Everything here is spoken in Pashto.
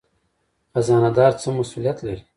خزانه دار څه مسوولیت لري؟